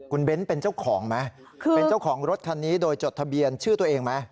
คุณเบ้นเป็นเจ้าของไหมเป็นเจ้าของรถคันนี้โดยจดทะเบียนชื่อตัวเองไหม